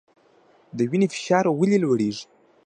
د وینې فشار ولې لوړیږي؟